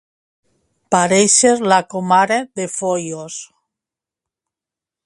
Parèixer la comare de Foios.